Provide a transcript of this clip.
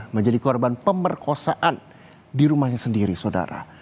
menjadi korban pemerkosaan di rumahnya sendiri saudara